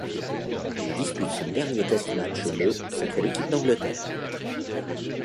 Il dispute son dernier test match le contre l'équipe d'Angleterre.